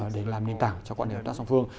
để làm nền tảng cho quan hệ hợp tác song phương